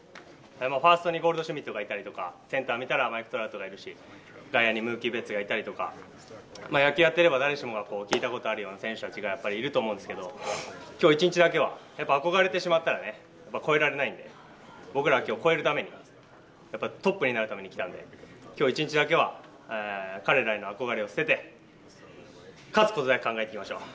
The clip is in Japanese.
ファーストにゴールドシュミットがいたりとかセンター見たらマイク・トラウトがいるし外野にムーキー・ベッツがいたりとか野球をやっていれば誰しもが聞いたことがある選手たちがやっぱりいると思うんですけど今日１日だけは憧れてしまったら超えられないので僕らは今日超えるためにトップになるために来たんで今日１日だけは彼らへの憧れを捨てて勝つことだけ考えていきましょう。